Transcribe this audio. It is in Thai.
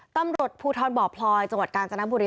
ตำรวจภูทรบ่อพลอยจังหวัดกาญจนบุรี